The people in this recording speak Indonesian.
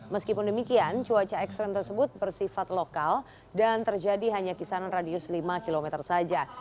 meskipun demikian cuaca ekstrim tersebut bersifat lokal dan terjadi hanya kisaran radius lima km saja